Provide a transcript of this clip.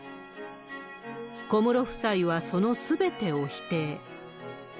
小室夫妻はそのすべてを否定。